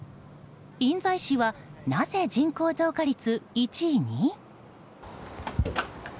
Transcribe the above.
印西市はなぜ人口増加率１位に？